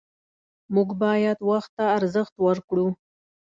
موږ باید وخت ته ارزښت ورکړو